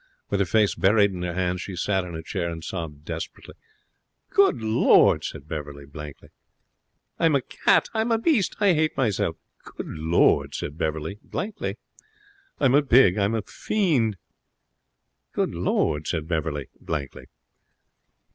With her face buried in her hands she sat in her chair and sobbed desperately. 'Good Lord!' said Beverley, blankly. 'I'm a cat! I'm a beast! I hate myself!' 'Good Lord!' said Beverley, blankly. 'I'm a pig! I'm a fiend!' 'Good Lord!' said Beverley, blankly.